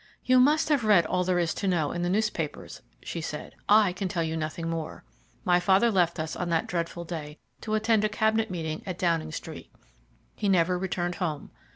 "You must have read all there is to know in the newspapers," she said; "I can tell you nothing more. My father left us on that dreadful day to attend a Cabinet meeting at Downing Street. He never returned home.